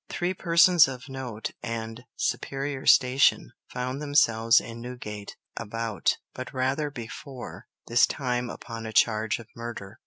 Three persons of note and superior station found themselves in Newgate about but rather before this time upon a charge of murder.